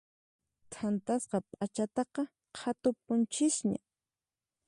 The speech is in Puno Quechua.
Thantasqa p'achataqa qhatupunchisña.